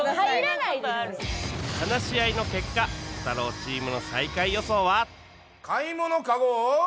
話し合いの結果コタローチームの最下位予想は